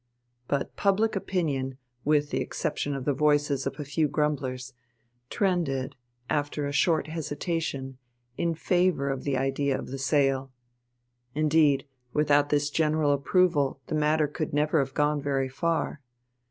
But public opinion, with the exception of the voices of a few grumblers, trended after a short hesitation in favour of the idea of sale; indeed without this general approval the matter could never have gone very far.